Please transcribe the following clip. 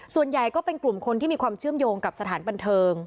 ส่วนใหญ่ก็เป็นกลุ่มคนที่มีความเชื่อมโยงกับสถานบันเทิง